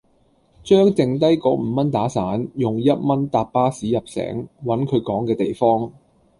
將淨低果五蚊打散，用一蚊搭巴士入城，搵佢講既地方。